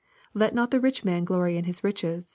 '^Let not the rich man glory in his riches.